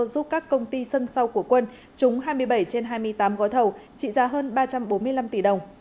giúp các công ty sân sau của quân trúng hai mươi bảy trên hai mươi tám gói thầu trị giá hơn ba trăm bốn mươi năm tỷ đồng